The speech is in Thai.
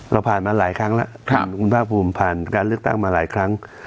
เราผ่านมาหลายครั้งแล้วคุณภาคภูมิผ่านการเลือกตั้งมาหลายครั้ง